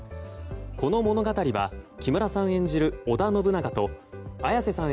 この物語は木村さん演じる織田信長と綾瀬さん